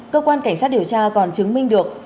cơ quan cảnh sát điều tra còn chứng minh được